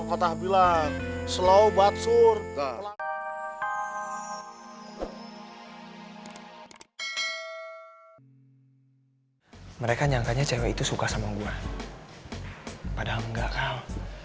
kata bilang slow but sure mereka nyangkanya cewek itu suka sama gua padahal enggak kau